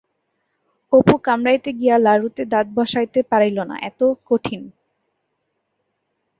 অপু কামড়াইতে গিয়া লাড়ুতে দাঁত বসাইতে পারিল না, এত কঠিন।